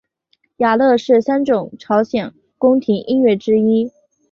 雅乐是三种朝鲜宫廷音乐之一。